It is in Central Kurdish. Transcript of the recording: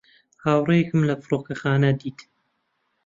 هاوڕێیەکم لە فڕۆکەخانە دیت.